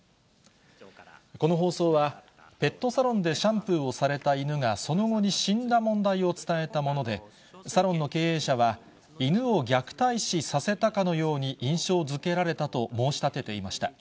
この放送は、ペットサロンでシャンプーをされた犬がその後に死んだ問題を伝えたもので、サロンの経営者は、犬を虐待死させたかのように印象づけられたと申し立てていました。